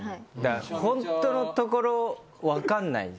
ホントのところ分かんない。